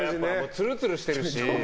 ツルツルしてるし。